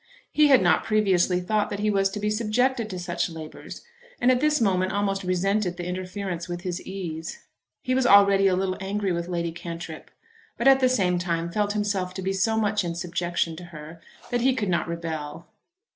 He had not previously thought that he was to be subjected to such labours, and at this moment almost resented the interference with his ease. He was already a little angry with Lady Cantrip, but at the same time felt himself to be so much in subjection to her that he could not rebel.